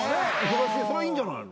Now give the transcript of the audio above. それはいいんじゃないの？